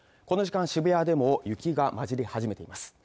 この時間渋谷でも雪が混じり始めています